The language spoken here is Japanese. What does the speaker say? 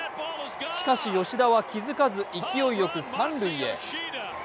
しかし吉田は気づかず、勢いよく三塁へ。